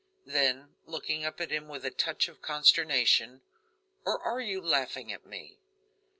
Then looking up at him with a touch of consternation: "Or are you laughing at me?"